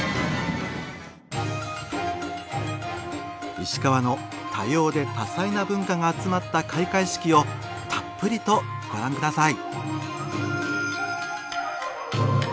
石川の多様で多彩な文化が集まった開会式をたっぷりとご覧下さい！